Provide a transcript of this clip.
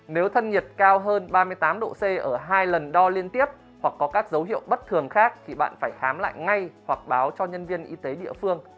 nếu thân nhiệt cao hơn ba mươi tám độ c ở hai lần đo liên tiếp hoặc có các dấu hiệu bất thường khác thì bạn phải khám lại ngay hoặc báo cho nhân viên y tế địa phương